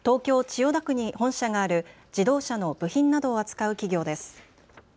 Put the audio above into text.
千代田区に本社がある自動車の部品などを扱う企業です。